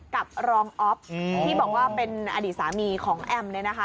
กับรองอ๊อฟที่บอกว่าเป็นอดีตสามีของแอมเนี่ยนะคะ